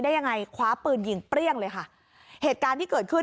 ยังไงคว้าปืนยิงเปรี้ยงเลยค่ะเหตุการณ์ที่เกิดขึ้น